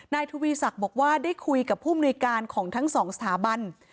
ทวีศักดิ์บอกว่าได้คุยกับผู้มนุยการของทั้งสองสถาบัน